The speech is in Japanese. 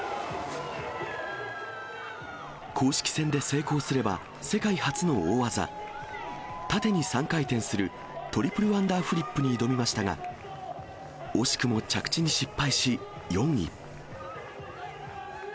公式戦で成功すれば、世界初の大技、縦に３回転するトリプルアンダーフリップに挑みましたが、惜しくも着地に失敗し４位。